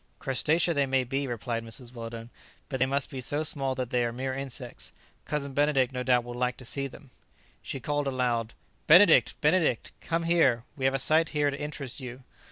"Crustacea they may be," replied Mrs. Weldon, "but they must be so small that they are mere insects. Cousin Benedict no doubt will like to see them." She called aloud, "Benedict! Benedict! come here! we have a sight here to interest you."